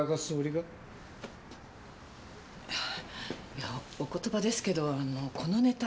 いやお言葉ですけどこのネタ